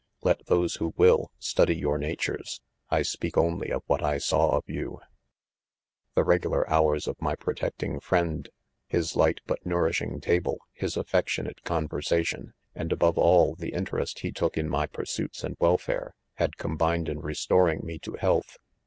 — 'Let those who will study your natures ;■ I speak only of what 1 saw of you. 216 IDOMEN* \ The regular hours of my protecting fiiend, Ms light but nourishing table — his affection * ate conversation,, and, above all, the interest he took in my pursuits and welfare, had com bined in restoring me. to health.